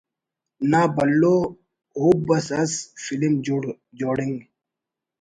نا بھلو ہُب اس ئس فلم جوڑنگ